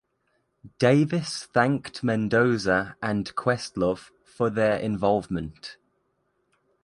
Davis thanked Mendoza and Questlove for their involvement.